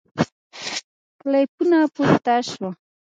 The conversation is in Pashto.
کلیپونه پورته سوه